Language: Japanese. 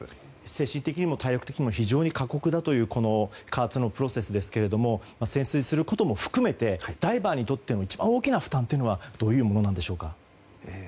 精神的にも体力的にも非常に過酷という加圧のプロセスですけど潜水することも含めてダイバーにとっての一番大きな負担はどういうものなんでしょう。